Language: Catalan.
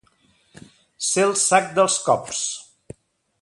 Ser el sac dels cops.